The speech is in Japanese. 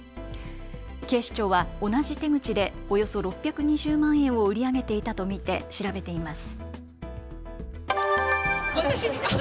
警視庁は同じ手口でおよそ６２０万円を売り上げていたと見て調べています。